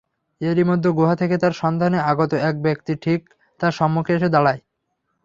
এরই মধ্যে গুহা থেকে তার সন্ধানে আগত এক ব্যক্তি ঠিক তার সম্মুখে এসে দাড়ায়।